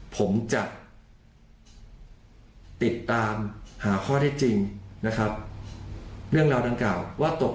ผมจะติดตามหาข้อได้จริงนะครับ